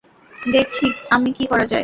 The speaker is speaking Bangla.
দেখছি আমি কী করা যায়।